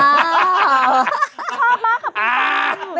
ชอบมากค่ะคุณตัน